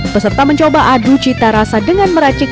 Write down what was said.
peserta mencoba adu cita rasa dengan meracik